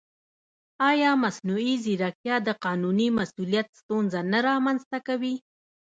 ایا مصنوعي ځیرکتیا د قانوني مسؤلیت ستونزه نه رامنځته کوي؟